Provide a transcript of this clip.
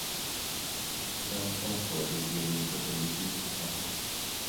Mukutoretoko koliik ye mito olisiek che chang'